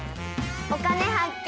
「お金発見」。